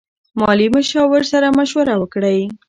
مالي مشاور سره مشوره وکړئ.